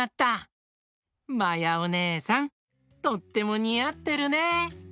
まやおねえさんとってもにあってるね！